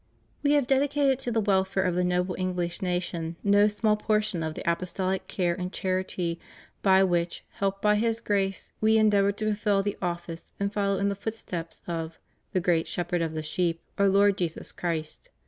We have dedicated to the welfare of the noble English nation no small portion of the apostolic care and charity by which, helped by His grace, We endeavor to fulfil the office and follow in the footsteps of "the Great Shepherd of the sheep," ^ Our Lord Jesus Christ.